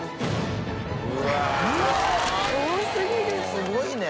すごいね。